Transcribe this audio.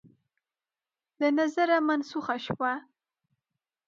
له نظره منسوخه شوه